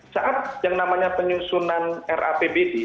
saat yang namanya penyusunan rapbd